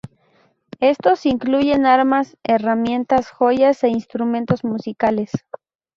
Estos incluyen armas, herramientas, joyas e instrumentos musicales.